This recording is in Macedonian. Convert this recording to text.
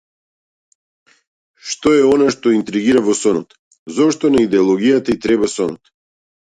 Што е она што интригира во сонот, зошто на идеологијата и треба сонот?